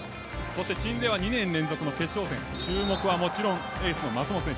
鎮西は２年連続の決勝戦注目はもちろんエースの舛本選手。